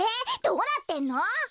どうなってんの？